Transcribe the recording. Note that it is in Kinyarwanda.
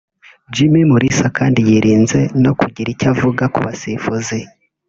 Jimmy Mulisa kandi yirinze no kugira icyo avuga ku basifuzi